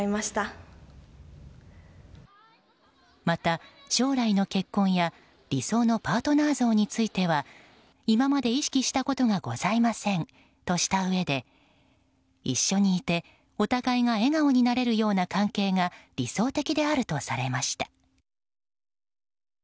また、将来の結婚や理想のパートナー像については今まで意識したことがございませんとしたうえで一緒にいてお互いが笑顔になれるような関係が理想的であるとされました。